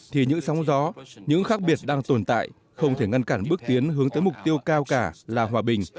thì những sóng gió những khác biệt đang tồn tại không thể ngăn cản bước tiến hướng tới mục tiêu cao cả là hòa bình